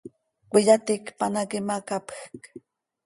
Cöiyaticpan hac imacapjc.